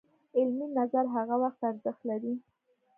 علمي نظر هغه وخت ارزښت لري